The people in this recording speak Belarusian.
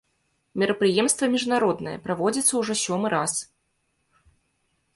Мерапрыемства міжнароднае, праводзіцца ўжо сёмы раз.